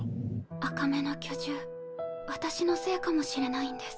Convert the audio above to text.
赤目の巨獣私のせいかもしれないんです。